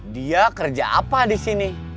dia kerja apa di sini